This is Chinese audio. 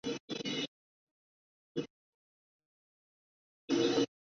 本作是描写漫画家爱徒勇气和助手足须沙穗都的日常生活的喜剧作品。